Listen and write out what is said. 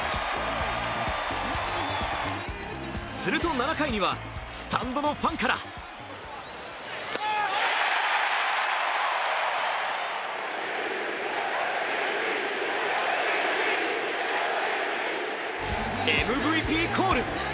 すると、７回にはスタンドのファンからＭＶＰコール。